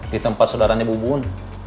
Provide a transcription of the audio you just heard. di tempat saudaranya ibu bun